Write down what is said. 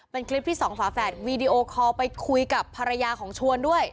เป็นคลิปที่สองฝาแฝดวีดีโอคอลไปคุยกับภรรยาของชวนด้วย